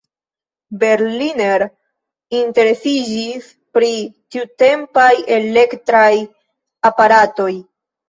Berliner interesiĝis pri tiutempaj elektraj aparatoj.